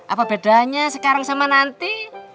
apa bedanya sekarang sama nanti